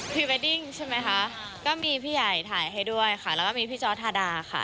เวดดิ้งใช่ไหมคะก็มีพี่ใหญ่ถ่ายให้ด้วยค่ะแล้วก็มีพี่จอร์ดทาดาค่ะ